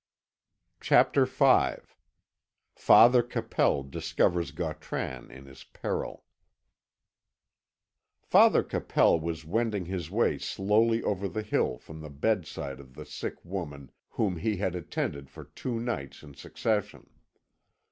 CHAPTER V FATHER CAPEL DISCOVERS GAUTRAN IN HIS PERIL Father Capel was wending his way slowly over the hill from the bedside of the sick woman whom he had attended for two nights in succession.